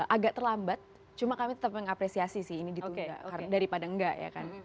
agak terlambat cuma kami tetap mengapresiasi sih ini ditunda daripada enggak ya kan